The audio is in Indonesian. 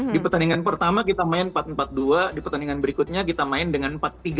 di pertandingan pertama kita main empat empat dua di pertandingan berikutnya kita main dengan empat tiga empat tiga